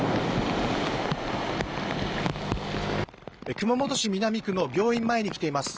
熊本市南区の病院前に来ています。